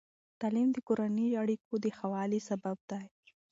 تعلیم د کورني اړیکو د ښه والي سبب دی.